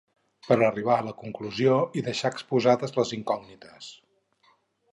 Per arribar a la conclusió i deixar exposades les incògnites.